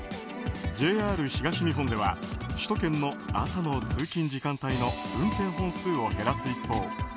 ＪＲ東日本では首都圏の朝の通勤時間帯の運転本数を減らす一方